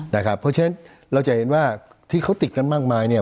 เพราะฉะนั้นเราจะเห็นว่าที่เขาติดกันมากมายเนี่ย